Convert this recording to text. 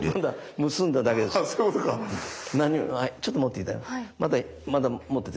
ちょっと持って頂いて。